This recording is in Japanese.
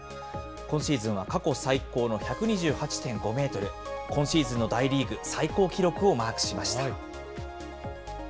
今シーズンは過去最高の１２８．５メートル、今シーズンの大リーグ最高記録をマークしました。